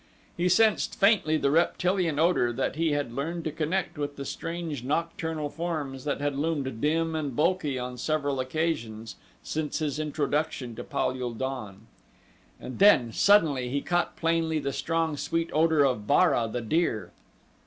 He sensed faintly the reptilian odor that he had learned to connect with the strange, nocturnal forms that had loomed dim and bulky on several occasions since his introduction to Pal ul don. And then, suddenly he caught plainly the strong, sweet odor of Bara, the deer.